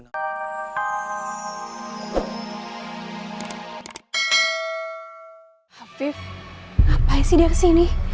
hafib ngapain sih dia kesini